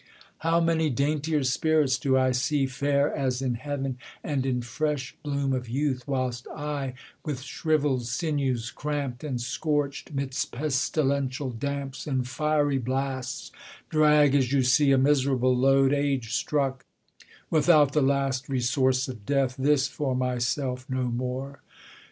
How many daintier spirits do I sec Fair as in heav'n, and in fresh bloom of youth, Whilst I, with shriveird sinews, cramp'd and scorch'd, 'Midst pestilential damps and fiery blasts, Drag as you see a miserable load, Age struck without the last resource of death : This for myself : no more.